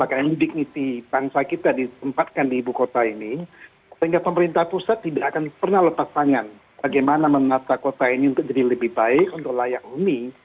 maka ini dignity bangsa kita ditempatkan di ibu kota ini sehingga pemerintah pusat tidak akan pernah lepas tangan bagaimana menata kota ini untuk jadi lebih baik untuk layak huni